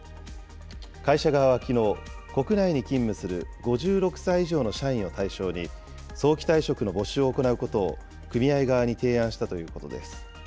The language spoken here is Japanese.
会社側はきのう、国内に勤務する５６歳以上の社員を対象に、早期退職の募集を行うことを組合側に提案したということです。